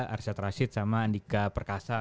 arsyad rashid sama andika perkasa